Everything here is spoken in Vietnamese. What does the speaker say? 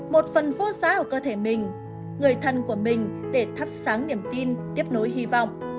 một phần vô giá của cơ thể mình người thân của mình để thắp sáng niềm tin tiếp nối hy vọng